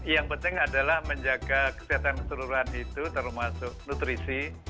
yang penting adalah menjaga kesehatan keseluruhan itu termasuk nutrisi